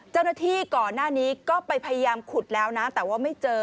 เจ้าหน้าที่ก่อนหน้านี้ก็ไปพยายามขุดแล้วนะแต่ว่าไม่เจอ